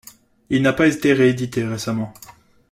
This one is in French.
Il n'a pas été réédité récemment.